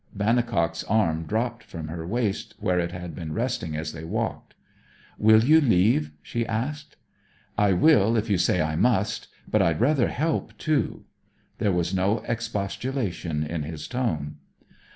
Vannicock's arm dropped from her waist, where it had been resting as they walked. 'Will you leave?' she asked. 'I will if you say I must. But I'd rather help too.' There was no expostulation in his tone.